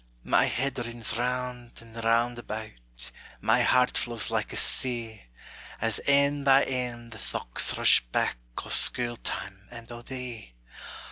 My head rins round and round about, My heart flows like a sea, As ane by ane the thochts rush back O' scule time, and o' thee.